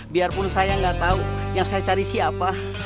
biarpun saya nggak tahu yang saya cari siapa